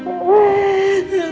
aku gak mau